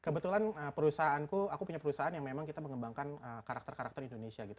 kebetulan perusahaanku aku punya perusahaan yang memang kita mengembangkan karakter karakter indonesia gitu